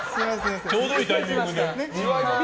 ちょうどいいタイミングで。